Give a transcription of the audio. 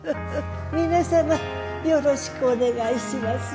皆様よろしくお願いしますよ